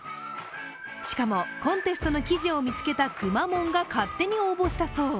しかも、コンテストの記事を見つけたくまモンが勝手に応募したそう。